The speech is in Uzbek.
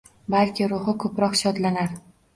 Balki ruhi koʼproq shodlanar!